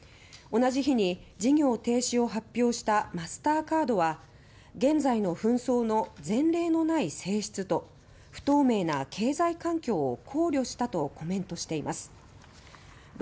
同じ日に事業停止を発表したマスターカードは「現在の紛争の前例のない性質と不透明な経済環境を考慮した」とコメントしています。